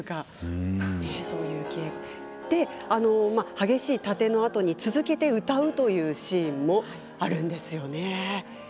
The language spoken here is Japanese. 激しい殺陣のあとに続けて歌うシーンもあるんですね。